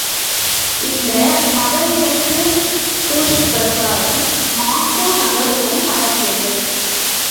இந்த மதவிலக்குத் துஷ் பிரச்சாரம் மாஸ்கோ நகருக்கும் பரவியது.